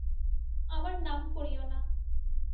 আমার নাম করিয়ো না।